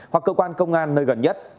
hoặc cơ quan công an nơi gần nhất